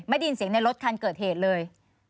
ได้ยินเสียงในรถคันเกิดเหตุเลย